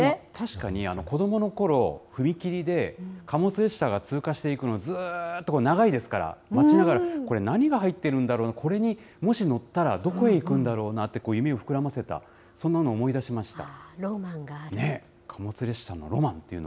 確かに子どものころ、踏切で、貨物列車が通過していくの、ずっと長いですから、待ちながら、これ、何が入ってるんだろうな、これにもし乗ったら、どこへ行くんだろうなって夢を膨らませた、そロマンがある。